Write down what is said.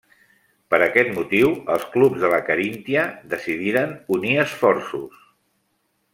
Per aquest motiu els clubs de la Caríntia decidiren unir esforços.